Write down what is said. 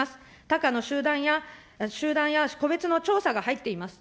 たかの集団や、集団や個別の調査が入っています。